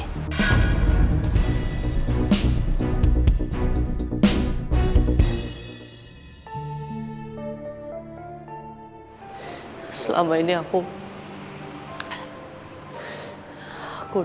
kamu boleh permintaan aku sebelum aku mati